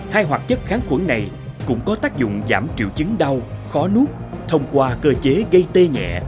hai hoạt chất kháng khuẩn này cũng có tác dụng giảm triệu chứng đau khó nuốt thông qua cơ chế gây tê nhẹ